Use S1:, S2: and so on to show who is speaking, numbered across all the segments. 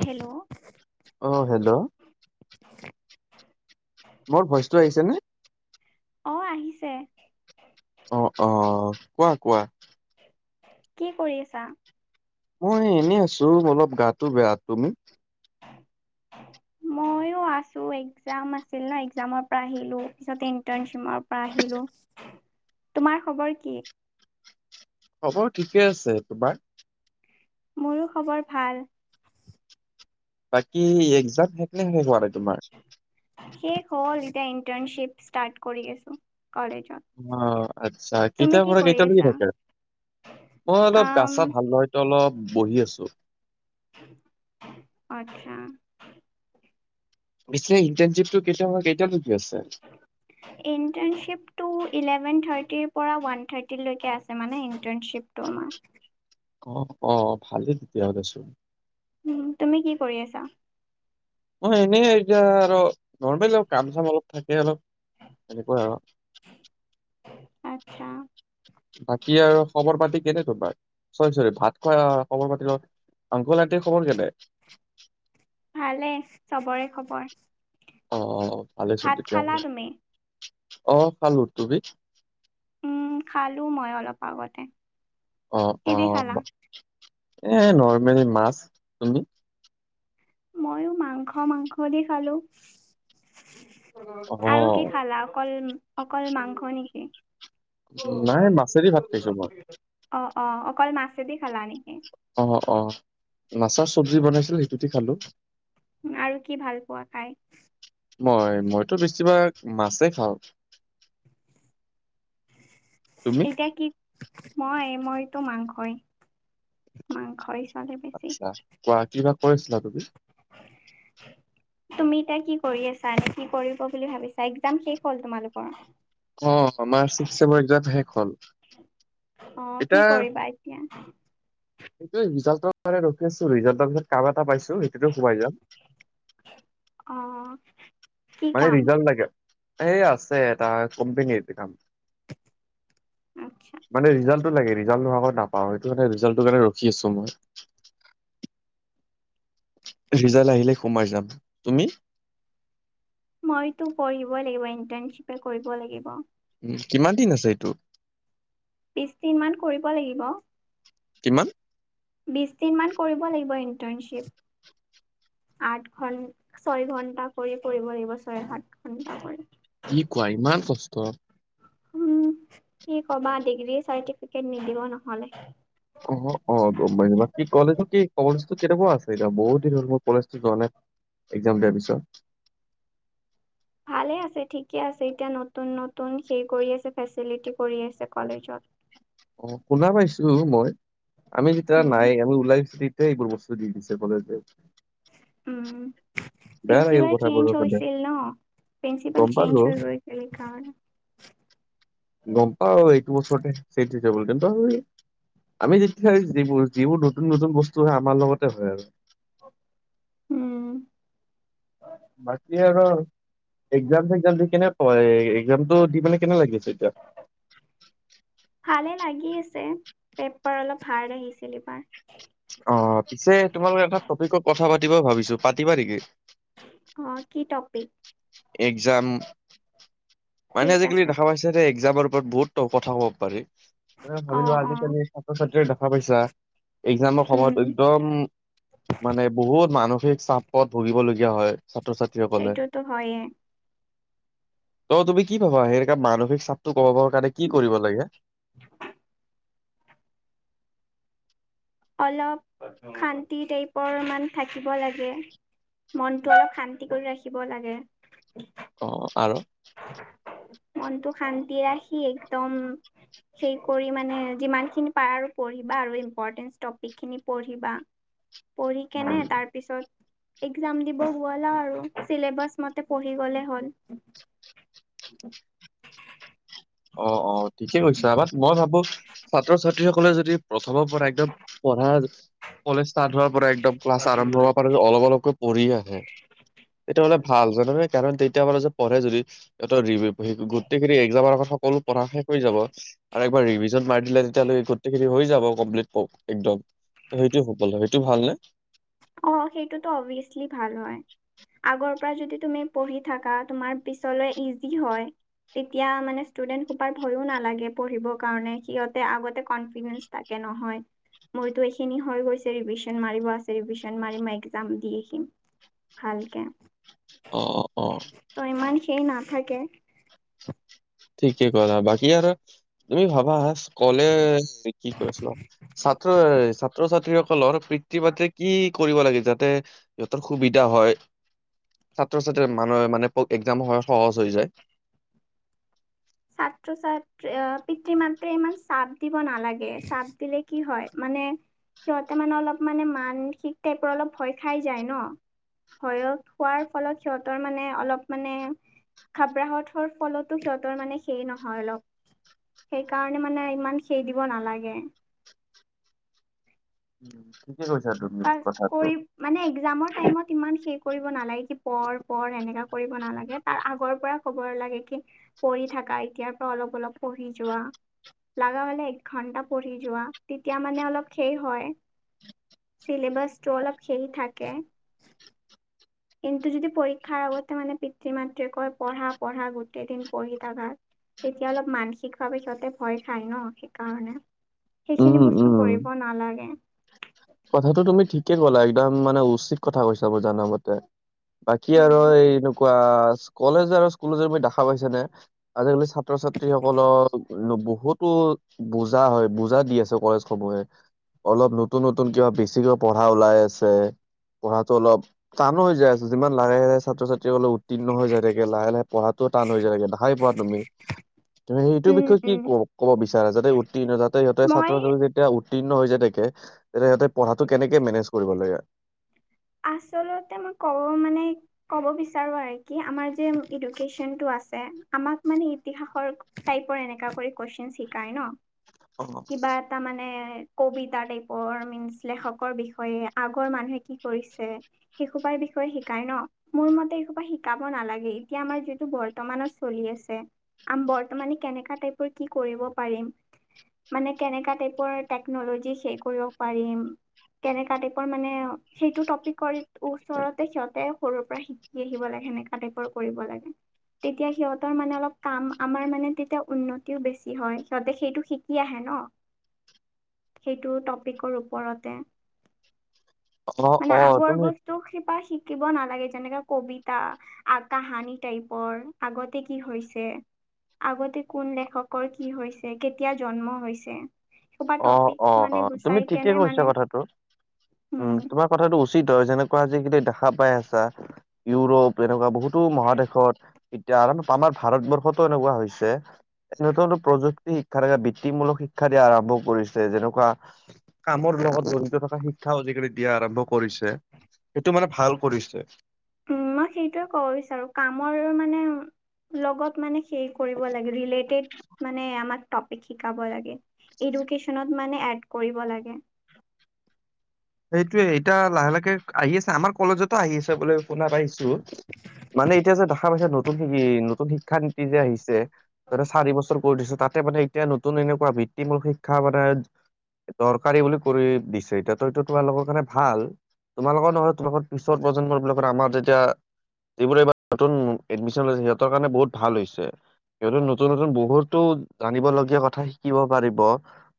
S1: Hello.
S2: আহ hello
S1: [unintelligible]
S2: মৰ ভইচটো আহিছে নে?
S1: অ আহিছে
S2: অ আহ কোৱা কোৱা
S1: কি কৰি আছা?
S2: মই এনে আছো অলপ গাটো বেয়া তুমি
S1: মই আছো এক্জাম আছিল ন একজামৰ পৰা আহিলো পিছত ইন্টাৰ্নশ্বিপৰ পৰা আহিলো। তোমাৰ খবৰ কি?
S2: হ'ব ঠিকে আছে তোমাৰ?
S1: মোৰো খবৰ ভাল।
S2: বাকী একজাম শেষনে শেষ হোৱা নাই তোমাৰ?
S1: শেষ হ'ল এতিয়া ইণ্টাৰ্নশ্বিপ ষ্টাৰ্ট কৰি আছো। কলেজত
S2: অ আচ্ছা
S1: তুমি
S2: কিতাৰ
S1: কি
S2: পৰা
S1: কৰি
S2: কেইটা লৈকে
S1: আছা?
S2: থাকে? মই অলপ গা
S1: আম
S2: চা ভালদৰেতো অলপ বহি আছো।
S1: আচ্ছা।
S2: পিছে ইণ্টাৰ্নশ্বিপটো কেইটাৰ কেইটা লৈকে।
S1: ইণ্টাৰ্নশ্বিপটো ইলেভন থাৰটিৰ পৰা ৱান থাৰ্টি লৈকে আছে মানে ইণ্টাৰ্নৰ্শিপটো আমাৰ
S2: অ অ ভালেই তেতিয়া হ'লে ছোন
S1: উ তুমি কি কৰি আছা?
S2: অ এনে এতিয়া আৰু নৰ্মেলি অ কাম চাম অলপ থাকে অলপ। তেনেকোৱা আৰু।
S1: আচ্ছা।
S2: বাকী আৰু খবৰ পাতি কেনে তোমাৰ চৰি চৰি ভাত খোৱা খবৰ পাতিৰ লগত আংকল আণ্টিৰ খবৰ কেনে?
S1: ভালেই চবৰে খবৰ।
S2: অ অ ভালেইছোন
S1: ভাত খালা
S2: তেতিয়াহলে
S1: তুমি?
S2: অহ খালো। তুমি?
S1: উম খালো মই অলপ আগতে
S2: অ অ
S1: কিদি খালা?
S2: এ নৰ্মেলি মাছ। তুমি?
S1: ময়ো মাংস মাংস দি খালো।
S2: অ
S1: আৰু কি খালা অকল অকল মাংস নেকি?
S2: নাই মাছেদি ভাত খাইছো মই।
S1: অ অকল মাছেদি খালানে?
S2: অ অ অ মাছৰ চব্জি বনাইছো।
S1: আৰু কি ভাল পোৱা খাই?
S2: মই মইতো বেছিভাগ মাছেই খাওঁ। তুমি
S1: এতিয়া কি মই মইতো মাংসই মাংসই চলে বেছি।
S2: আচ্ছা কোৱা কিবা কৰি আছিলা তুমি?
S1: [unintelligible] তুমি এতিয়া কি কৰি আছা? কি কৰিব বুলি ভাবিছা? একজাম শেষ হ'ল তোমালোকৰ
S2: অ আমাৰ ছিক্সথ ছেমৰ একজাম শেষ হল।
S1: অ কি
S2: এতিয়া
S1: কৰিবা এতিয়া?
S2: সেইটোৱে ৰিজাল্টৰ কাৰণে ৰখি আছো ৰিজাল্টৰ পিছত কাম এটা পাইছো সেইটোতো সোমাই যাম।
S1: অ। কি
S2: মানে
S1: কাম?
S2: ৰিজাল্ট লাগে এই আছে এটা কোম্পনীৰ কাম।
S1: আচ্ছা।
S2: মানে ৰিজাল্ট। টো লাগে ৰিজাল্ট নোহোৱাৰ আগত নাপাও সেইটো কাৰণে ৰিজাল্টটো কাৰণে ৰখি আছো মই। ৰিজাল্ট আহিলে সোমাই যাম তুমি
S1: মইতো পঢ়িবই লাগিব ইন্টাৰ্নশ্বিপে কৰিব লাগিব।
S2: উ কিমান দিন আছে এইটো
S1: বিশ দিন মান কৰিব লাগিব।
S2: কিমান?
S1: বিশ দিনমান কৰিব লাগিব ইণ্টাৰ্ণশ্বিপ। আঠ ঘন্টা ছয় ঘন্টা কৰি কৰিব লাগিব ছয় সাত ঘন্টা কৰি
S2: কি কোৱা ইমান কষ্ট
S1: উম কি কবা ডিগ্ৰী চাৰটিফিকেট নিদিব নহলে।
S2: অ অ গমাই কি কলেজৰ কি কলেজো কেনেকোৱা আছে এতিয়া বহুত দিন মোৰ কলেজো যোৱা নাই। এক্সাম দিয়াৰ পিছত।
S1: [inaudible] ভালে আছে ঠিকে আছে এতিয়া নতুন নতুন সেই কৰি আছে ফেচিলিটি কৰি আছে কলেজত।
S2: অ শুনা পাইছো মই আমি যেতিয়া
S1: উম
S2: নাই আমি ওলাইছো। সে এইবোৰ বস্তু দি দিছে কলেজত। লাগিল
S1: প্ৰিঞ্চিপাল
S2: কথাবোৰ
S1: চেঞ্জ
S2: শুনি
S1: হৈছিল ন। প্ৰিন্সিপাল
S2: গম পালো
S1: চেঞ্জ হৈ গৈছিল এই কাৰণে।
S2: গম পাওঁ এইটো বছৰতে চেইঞ্চ হৈ যাব। আমি যেতিয়া যিবোৰ যিবোৰ নতুন নতুন বস্তু হয় আমাৰ লগতে হয় আৰু।
S1: উম।
S2: বাকী আৰু এক্সাম চেগজাম দি কেনে এই এক্সামটো দি কেনে কেনে লাগিছে? তেতিয়া-
S1: ভালে লাগি আছে পেপাৰ অলপ হাৰ্ড আহিছিল ইবাৰ।
S2: অঁ পিছে তোমালোকে এটা টপিকত কথা পাতিবা ভাবিছো পাতিবা নেকি?
S1: অ কি টপিক-
S2: এক্সাম মানে
S1: ঠিক
S2: আজিকালি
S1: আছে
S2: দেখা পাইছে যে- এক্সাম ওপৰত বহুত কথা ক'ব পাৰে।
S1: অ
S2: ভাবিলো
S1: অ
S2: আজিকালি ছাত্ৰ ছাত্ৰীয়ে দেখা পাইছা। এক্সাম সময়ত
S1: উম
S2: একদম মানে বহুত মানুহ। বিশেষ চাপত ভুগিবলগীয়া হয় ছাত্ৰ ছাত্ৰীসকলে।
S1: সেইটোতো হয়ে
S2: ত তুমি কি ভাবা সেইকা মানসিক চাপটো? কব কাৰণে কি কৰিব লাগে?
S1: অলপ শান্তি টাইপৰ মান থাকিব লাগে। মনতটো অলপ শান্তি কৰি ৰাখিব লাগে।
S2: অঁ আৰু?
S1: মনটো শান্তি ৰাখি একদম- সেই কৰি মানে যিমান খিনি পাৰ আৰু পঢ়িবা আৰু ইম্পৰ্টেন্ট টপিক খিনি পঢ়িবা। পঢ়ি কেনে
S2: উম,
S1: তাৰ পিছত- এক্সাম দিব গলা আৰু চিলেবাছ মতে পঢ়ি গ'লে হ'ল। [unintelligible]
S2: অঁ অঁ ঠিকে কৈছা বাত মই ভাবো ছাত্ৰ ছাত্ৰী সকলে যদি- প্ৰথমৰ পৰা একদম পঢ়া- কলেজ ষ্টাৰ্ট হোৱাৰ পৰা একদম ক্লাছ আৰম্ভ হব পৰা অলপ অলপকৈ পঢ়ি থাকে- এইটো হলে ভাল জাননে? কাৰণ তেতিয়া হলে যে পঢ়ে যদি গোটেইখিনি একজামৰ আগত- শেষ কৰা শেষ যাব আৰু একবাৰ ৰিভিজন মাৰি দিলে তেতিয়া গোটেইখিনি হৈ যাব কমপ্লিত একদম। সেইটো সফল সেইটো ভাল নে?
S1: অঁ সেইটোতো অবভিয়াচলি ভাল হয়। আগৰ পৰা যদি তুমি পঢ়ি থাকা তোমাৰ পিছলৈ ইজি হয়। তেতিয়া মানে ষ্টুডেন্ট সোপাৰ ভয়ও নালাগে পঢ়িবৰ কাৰণে। সিহতে আগতে কনফিডেন্স থাকে। নহয়, মোৰতো এইখিনি হৈ গৈছে ৰিবিচন মাৰিব আছে ৰিবিচন- জানমাৰি মই একজাম দি আহ আহিম ভালকে।
S2: অঁ অঁ অঁ।
S1: সি নাথাকে।
S2: ঠিকেই কৰা বাকী আৰু তুমি ভাবা-। কলে কি কৈছিলো ছাত্ৰ ছাত্ৰ ছাত্ৰী- ছাত্ৰীসকলৰ পিতৃ মাতৃক কি কৰিব লাগে যাতে সিহঁতৰ সুবিধা হয়? ছাত্ৰ ছাত্ৰ মানুহে মানে এক্সাম হয় সহজ হৈ যায়।
S1: সাত। ছাত্ৰ ছাত্ৰ আহ পিতৃ মাত্ৰে ইমান চাপ দিব নালাগে। চাপ দিলে কি হয় মানে- সিহঁতে মানে অলপ মানে মানসিক টাইপৰ অলপ ভয় খাই যায় ন। ভয়ত হোৱাৰ ফলত সিহঁতৰ মানে অলপ মানে- খাব্ৰাহতৰ ফলতো সিহঁতৰ মানে- সেই নহয় অলপ। সেইকাৰণে মানে ইমান সেই দিব নালাগে। [unintelligible]
S2: উম।
S1: পাছ কৰি মানে এক্সাম টাইমত ইমান হেৰি কৰিব নালাগে মানে পঢ় পঢ় এনেকা। কৰিব নালাগে, তাৰ আগৰ পৰা ক'ব লাগে কি পঢ়ি থাকা এতিয়াৰ পৰা অলপ অলপ পঢ়ি যোৱা। লগা হলে এক ঘন্টা পঢ়ি যোৱা তেতিয়া মানে অলপ শেষ হয়। চিলবছটো অলপ সেইৰি থাকে। কিন্তু যদি পৰীক্ষাৰ আগতে মানে পিতৃ মাতৃয়ে কয় পঢ়া পঢ়া গোটেই দিন পঢ়ি তা ঘাত- তেতিয়া অলপ মানসিকভাৱে সিহঁতে ভয় খায় ন সেইকাৰণে।
S2: উম
S1: সেইখিনি বস্তু
S2: উম
S1: কৰিব নালাগে।
S2: কথাটো তুমি ঠিকে ক'লা একদম মানে উচিত কথা কৈছা ব জানা মতে-। বাকী আৰু
S1: উম
S2: এই এনেকুৱা কলেজ আৰু স্কুলি দেখা পাইছ নে আজিকালি। ছাত্ৰ ছাত্ৰীসকলক বুত-। বহুতো বুজা হয় বুজা দি আছে কলেজ সমূহে অলপ নতুন। নতুন কিবা বেছিকৈ পঢ়া ওলাই আছে। পঢ়াটো অলপ টান হৈ য আছ যিমান লাহে লাহে ছাত্ৰ ছাত্ৰী। লে উত্তীৰ্ণ হৈ যায় থাকে লাহে লাহে পঢ়াটো টান হৈ যায় থাকে দেখাই পোৱা তুমি-। তু সেইটো
S1: উম
S2: বিষয়ে কি
S1: উম
S2: ক কব বিচাৰে যাতে উত্তীৰ্ণ যাতে সিহঁতে ছাত্ৰী
S1: মই
S2: যেতিয়া। উত্তীৰ্ণ হৈ যায় তোকে যে সহঁতে পঢ়াটো কেনেকে মেনেজ কৰিব লাগে।
S1: আচলতে মই কব মানে কব বিচাৰো আৰু কি আমাৰ যে এডুকেশ্বন টো-। আমাক মানে ইতিহৰ টাইপৰ এনেকা কৰি কেশন শিকাই ন।
S2: অ
S1: কিবা এটা মানে। কবিতা টাইপৰ মনচ লেখকৰ বিষয়ে আগৰ মানুহে কি-। কৰিছে শিশোপাৰ বিষয়ে শিকাই ন মোৰ মতে এশোপা শিকাব নালাগে এতিয়া আমাৰ যিটো ব। বৰ্তমানত চলি আছে আম বৰ্তমানে কেনেকা টাইপৰ কি কৰিব পাৰিম। মানে কেনেককা টাইপৰ টেকনলজি সে কৰিব পাৰিম। কেনে টাইপৰ মানে। সেইটো টপিক ওচৰতে সিহঁতে সৰুৰ পৰা শিকি আহিব লাগে সেনেকাা টাইপৰ কৰিব লাগে। তেতিয়া সিহঁতৰ মানে অলপ কাম আমাৰ মানে তেতিয়া উন্নতিও বেছি হয় সিহঁতে সেইটো শিকি আহে ন। সেইটো টপিকৰ ওপৰতে-।
S2: অ
S1: মানে
S2: অ,
S1: আগৰ
S2: তুমি
S1: বস্তু শিপা শ। শিকিব নালাগে যেনেকা কবিতা কাহানি টাইপৰ আগতে কি হৈছে। আগতে কোন লেখকৰ কি হৈছে কেতিয়া জন্ম হৈছে। সোপা
S2: অ
S1: টপিক
S2: অ
S1: মানে
S2: তুমি
S1: গুচাই
S2: ঠিকে
S1: কেনে
S2: কৈছা
S1: মানে
S2: কথাটো। উম তোমাৰ কথাটো উচিত হয় যেনেকুৱা যি কিু দেখা পাই আছা। ইউৰোপ এনেকুৱা বহুতো মহাদেশত এতিয়া আমাৰ ভাৰতবৰ্ষতো এনেকুৱা হৈছে। নতুনত প্ৰযুক্তি শিক্ষা থকা বৃত্তিমূলক শিক্ষা দিয়া আৰম্ভ-। কৰিছে যেনেকুৱা কামৰ লগত জড়িত থকা শিক্ষাও আজিকালি দিয়া আৰম্ভ কৰিছে। সেইটো মানে ভাল কৰিছে।
S1: উম মই সেইটোয়ে কব বিচাৰো কামৰ মানে। লগত মানে কৰিব লাগেলেটেড মানে আমাৰ টপিক শিকাব লাগে-। এডোকেচনত মানে এড কৰিব লাগে।
S2: সেইটোয়ে এতিয়া লাহে লাহকে আহি আছে আমাৰ কলেজতো আহি আছে বুলিো শুনা পাইছো। মানে এতিয়া যে দেখা পাইছে নতুন নতুন শিক্ষা নীতি যে আহিছে। চাৰি বছৰ কৰি দিছো তাতে মানে এতিয়া নতুন এনেকুৱা ভিত্তিমূল শিক্ষা মানে-। দৰকাৰী বুলি কৰি দিছে এতিয়াৰ। তোমালোকৰ কাৰণে ভাল তোমালোকৰ নহয় তোমোকৰ পিছৰ প্ৰজন্মবাক আমাৰ যেতিয়া। যিবোৰ এইবাৰ নতুন এডমিশন লৈছে সিহঁতৰ কাৰণে বহুত ভাল হৈছে। সিহ নতুন নতুন বহুতো জানিব লগগীয়া কথা শিকিব পাৰিব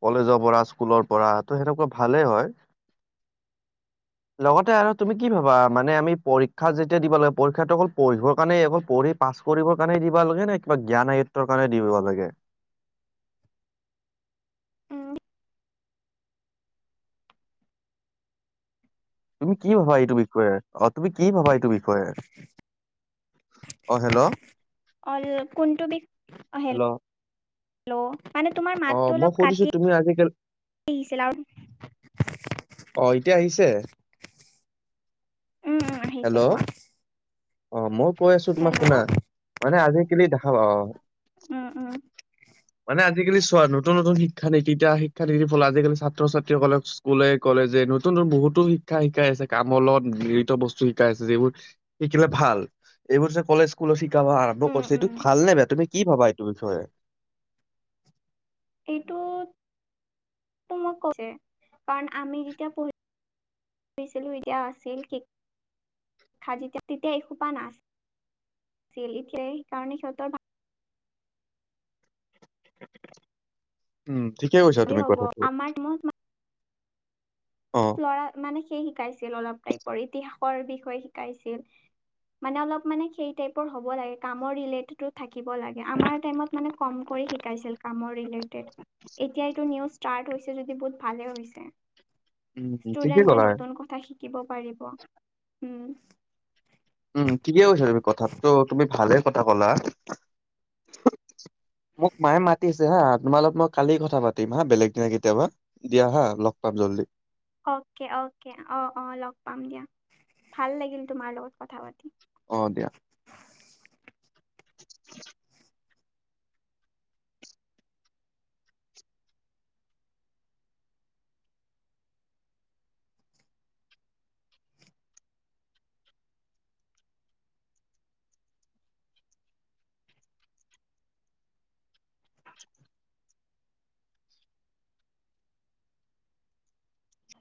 S2: কলেজৰ পৰা স্কুলৰ-। পৰা তটো সেনেকুৱা ভালেই হয়।
S1: আ [unintelligible]
S2: লগতে আৰু তুমি কি ভাবা মানে আমি পৰীক্ষা যেতিয়া দিব লাগে পৰীক্ষাটো অকল পঢ়িবৰ কাৰণে অ পঢ়ি পাছ। কৰিবৰ কাৰণে দিবা লাগে নে কিবা জ্ঞান আয়ত্বৰ কাৰণে দিব লাগে।
S1: [unintelligible]
S2: তুমি কি ভাবা এইটো বিষয়ে অ তুমি কি ভাবা এইটো বিষয়ে। অ হেল্ল'।
S1: অ কোনটো বি।
S2: হেল্ল'
S1: হেল্ল' মানে তোমাৰ
S2: অ'
S1: মাতটো
S2: মই
S1: অলপ
S2: সুধিছো
S1: কাটি
S2: তুমি আজিকালি
S1: আহিছিল আৰু
S2: অ এতিয়া আহিছে।
S1: উম উম আহিছে
S2: হেল্ল'
S1: কোৱা।
S2: অ' মই কৈ আছো তোমাক
S1: হেল্ল'
S2: শুনা মানে আজিকালি দেখা পা
S1: উম উম
S2: মানে। আজিকালি চোৱা নতুন নতুন শিক্ষানীতি শিক্ষানীতিৰ ফল আজিকালি ছাত্ৰ ছাত্ৰীসকলক স্কুলে কলেজে নতুন। বহুতো শিক্ষা শিকাই আছে কামত জড়িত বস্তু শিকাই আছে যিবোৰ শিকিলে ভাল এইবোৰ যে কলেজ স্কুল শ আৰম্ভ
S1: উম
S2: কৰিছ এইটো
S1: উম
S2: ভাল নে বেয়া তুমি কি ভাবা এইটো বিষয়ে।
S1: এইটো মই কৈ কাৰণ আমি যেতিয়া পঢ়ি- ছিলো এতিয়া আছিল তেতিয়া এসোপা নাছিল। আছিল এতিয়া সেই কাৰণে সিহঁতৰ-
S2: উম ঠিকে কৈছা
S1: ভালেই
S2: তুমি
S1: হ'ব
S2: কথাটো।
S1: আমাৰ টাইমত
S2: অ
S1: ল'ৰা মানে সেই শিকাইছিল অলপ টাইপৰ ইতিহাসৰ বিষয়ে শিকাইছিল। মানে অলপ মানে সেই টাইপৰ হব লাগে কাম, কামৰ ৰিলেটেড থাকিব লাগে আমাৰ টাইমত মানে কাম কৰি - শিকাইছিল কামৰ ৰিলে এতিয়া এইটো নিউজ ষ্টাৰ্ট হৈছে যদি বহুত ভালে হৈছে।
S2: উম ঠিকে
S1: ষ্টুডেণ্টে
S2: ক'লা
S1: নতুন কথা শিকিব পাৰিব উম।
S2: উম ঠিকে কৈছা তুমি কথাতটো তুমি ভালে কথা ক'লা।
S1: [inaudible]
S2: মোক মায়ে মাতিছে হা তোমাৰ লগত মই কালি কথা পাতিম হা বেলেগ দিনা কেতিয়াবা দিয়া হা লগ। [unintelligible]
S1: অক অকে অ অ লগ পাম দিয়া ভাল লাগিল তোমাৰ লগত কথা পাতা।
S2: অ দিয়া। [inaudible]